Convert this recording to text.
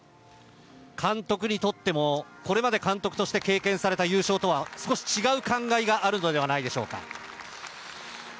◆監督にとっても、これまで監督として経験された優勝とは少し違う感慨があるのではないでしょうか。